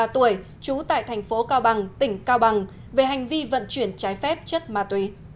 ba mươi tuổi trú tại thành phố cao bằng tỉnh cao bằng về hành vi vận chuyển trái phép chất ma túy